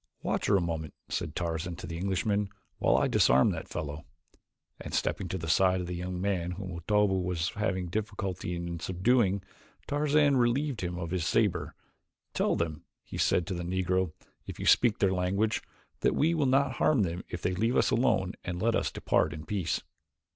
"Watch her a moment," said Tarzan to the Englishman, "while I disarm that fellow," and stepping to the side of the young man whom Otobu was having difficulty in subduing Tarzan relieved him of his saber. "Tell them," he said to the Negro, "if you speak their language, that we will not harm them if they leave us alone and let us depart in peace."